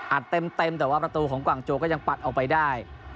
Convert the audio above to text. เต็มแต่ว่าประตูของกวางโจก็ยังปัดออกไปได้